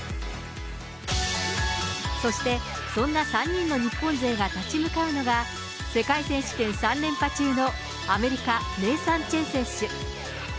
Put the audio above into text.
そしてそんな３人の日本勢が立ち向かうのが、世界選手権３連覇中の、アメリカ、ネイサン・チェン選手。